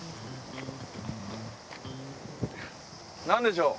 何でしょう？